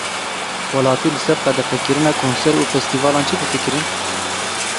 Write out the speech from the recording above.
Welatî li ser qedexekirina konser û festîvalan çi difikirin?